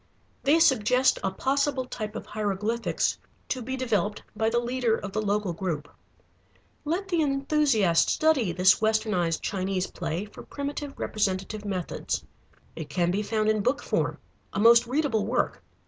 They suggest a possible type of hieroglyphics to be developed by the leader of the local group. Let the enthusiast study this westernized Chinese play for primitive representative methods. It can be found in book form, a most readable work.